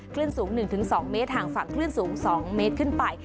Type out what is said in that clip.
คลื่นสูงหนึ่งถึงสองเมตรห่างฝั่งคลื่นสูงสองเมตรขึ้นไป